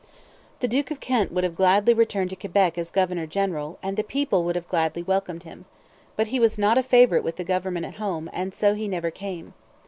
The Duke of Kent would have gladly returned to Quebec as governor general, and the people would have gladly welcomed him. But he was not a favourite with the government at home, and so he never came.